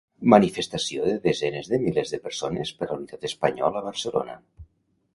Manifestació de desenes de milers de persones per la unitat espanyola a Barcelona.